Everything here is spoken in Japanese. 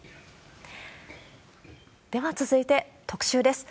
では続いて、特集です。